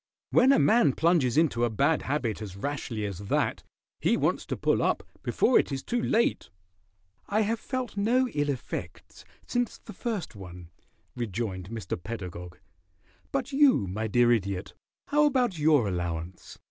"When a man plunges into a bad habit as rashly as that, he wants to pull up before it is too late." "I have felt no ill effects since the first one," rejoined Mr. Pedagog. "But you, my dear Idiot, how about your allowance?